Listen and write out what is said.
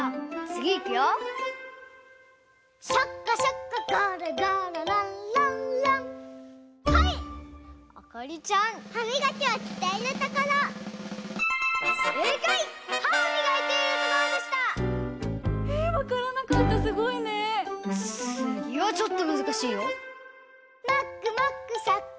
つぎはちょっとむずかしいよ。